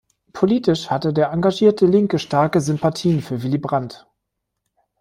Politisch hatte der engagierte Linke starke Sympathien für Willy Brandt.